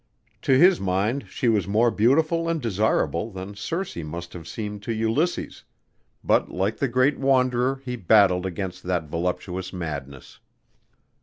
To his mind she was more beautiful and desirable than Circe must have seemed to Ulysses, but like the great wanderer he battled against that voluptuous madness.